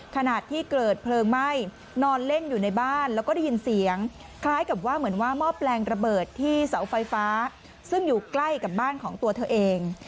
ขณะที่เกิดเพลิงไหม้นอนเล่นอยู่ในบ้านแล้วก็ได้ยินเสียงคล้ายกับว่าเหมือนว่าหม้อแปลงระเบิดที่เสาไฟฟ้าซึ่งอยู่ใกล้กับบ้านของตัวเธอเอง